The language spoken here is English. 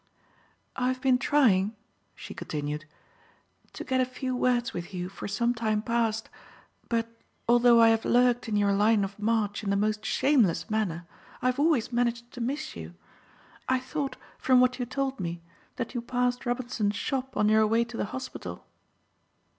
"I have been trying," she continued, "to get a few words with you for some time past; but, although I have lurked in your line of march in the most shameless manner, I have always managed to miss you. I thought, from what you told me, that you passed Robinson's shop on your way to the hospital."